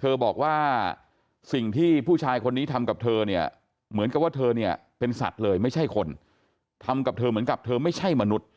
เธอบอกว่าสิ่งที่ผู้ชายคนนี้ทำกับเธอเนี่ยเหมือนกับว่าเธอเนี่ยเป็นสัตว์เลยไม่ใช่คนทำกับเธอเหมือนกับเธอไม่ใช่มนุษย์